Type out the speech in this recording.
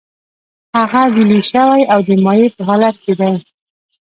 هغه ویلې شوی او د مایع په حالت کې دی.